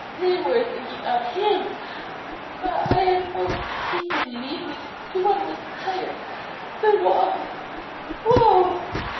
"They were thinking of him. I had hoped he could lead me to what was higher; but woe, woe!"